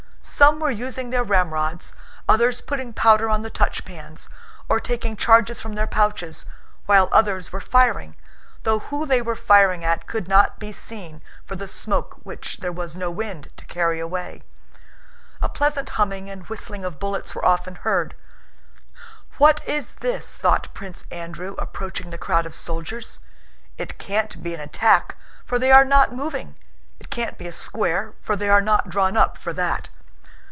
Some were using their ramrods, others putting powder on the touchpans or taking charges from their pouches, while others were firing, though who they were firing at could not be seen for the smoke which there was no wind to carry away. A pleasant humming and whistling of bullets were often heard. "What is this?" thought Prince Andrew approaching the crowd of soldiers. "It can't be an attack, for they are not moving; it can't be a square—for they are not drawn up for that."